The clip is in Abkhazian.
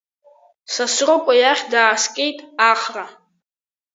Сасрыҟәа иахь дааскьеит Ахра.